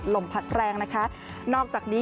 ลมพัดแรงนะคะนอกจากนี้